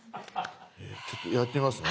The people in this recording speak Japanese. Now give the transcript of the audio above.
ちょっとやってみますね。